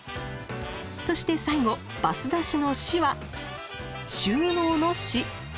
そして最後「ばすだし」の「し」は収納の「し」。